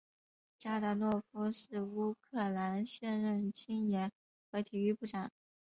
扎达诺夫是乌克兰现任青年和体育部长。